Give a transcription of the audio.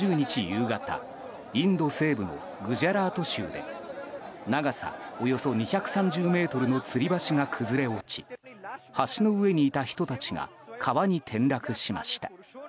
夕方インド西部のグジャラート州で長さおよそ２３０ｍのつり橋が崩れ落ち橋の上にいた人たちが川に転落しました。